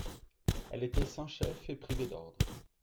Elle était sans chef et privée d'ordre.